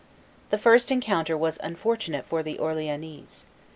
The first encounter was unfortunate for the Orleannese.